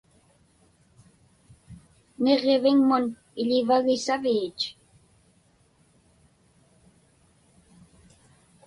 Niġġiviŋmun iḷivagi saviich?